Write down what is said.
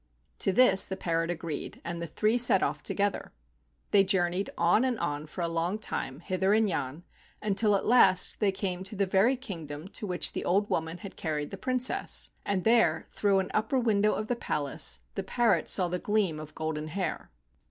To this the parrot agreed, and the three set off together. They journeyed on and on for a long time, hither and yon, until at last they came to the very kingdom to which the old woman had carried the Princess, and there, through an upper window of the palace, the parrot saw the gleam of golden hair.